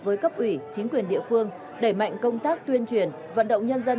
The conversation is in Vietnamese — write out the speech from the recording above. với cấp ủy chính quyền địa phương đẩy mạnh công tác tuyên truyền vận động nhân dân